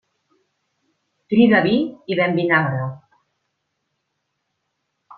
Crida vi i ven vinagre.